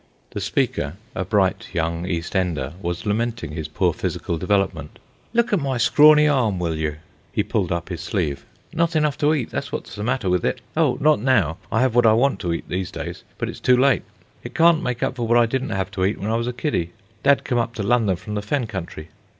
The speaker, a bright young East Ender, was lamenting his poor physical development. "Look at my scrawny arm, will you." He pulled up his sleeve. "Not enough to eat, that's what's the matter with it. Oh, not now. I have what I want to eat these days. But it's too late. It can't make up for what I didn't have to eat when I was a kiddy. Dad came up to London from the Fen Country.